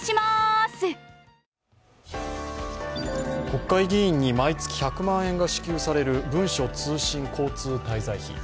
国会議員に毎月１００万円が支給される文書通信交通滞在費。